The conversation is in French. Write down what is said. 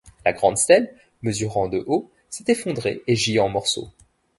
La Grande stèle, mesurant de haut, s'est effondrée et gît en morceaux.